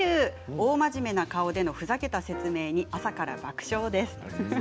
大真面目な顔でのふざけた説明に朝から爆笑です。